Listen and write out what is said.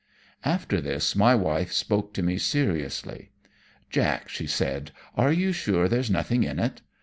After this my wife spoke to me seriously. "Jack," she said, "are you sure there's nothing in it?